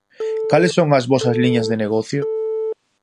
Cales son as vosas liñas de negocio?